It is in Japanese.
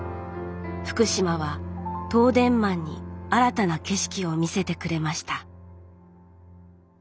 福島は東電マンに新たな景色を見せてくれました